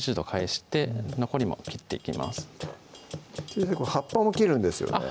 これ葉っぱも切るんですよね？